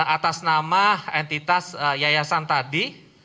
atas nama entitas yayasan tadi